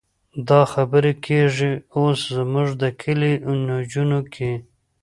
دا خبرې کېږي اوس زموږ د کلي نجونو کې.